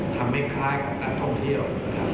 ทำให้คล้ายข้างหน้าท่องเที่ยว